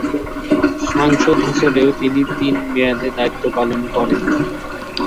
সাংসদ হিসাবেও তিনি তিন মেয়াদে দায়িত্ব পালন করেন।